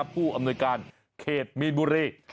ผู้อำนวยการเขตมีนบุรี